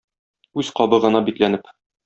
Үз кабыгына бикләнеп.